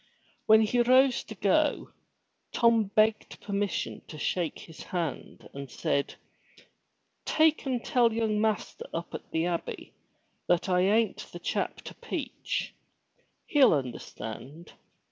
When he rose to go, Tom begged permission to shake his hand and said, "Take and tell young master up at the abbey that I ain't the chap to peach. He'll understand.